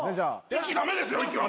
息駄目ですよ息は。